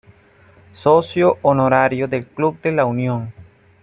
Socio honorario del Club de La Unión.